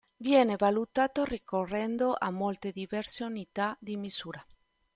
Viene valutato ricorrendo a molte diverse unità di misura.